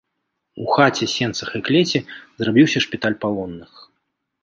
У хаце, сенцах і клеці зрабіўся шпіталь палонных.